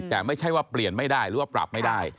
แต่ไม่ใช่ว่าเปลี่ยนไม่ได้หรือว่าปรับไม่ได้